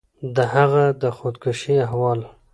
د هغه د خودکشي احوال